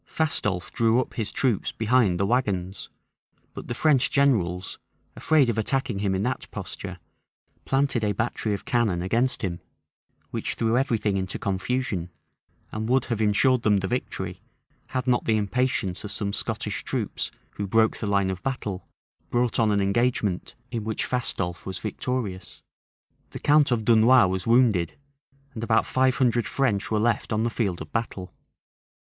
Fastolffe drew up his troops behind the wagons; but the French generals, afraid of attacking him in that posture, planted a battery of cannon against him; which threw every thing into confusion, and would have insured them the victory, had not the impatience of some Scottish troops, who broke the line of battle, brought on an engagement, in which Fastolffe was victorious. The count of Dunois was wounded; and about five hundred French were left on the field of battle.